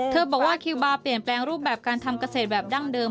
บอกว่าคิวบาร์เปลี่ยนแปลงรูปแบบการทำเกษตรแบบดั้งเดิม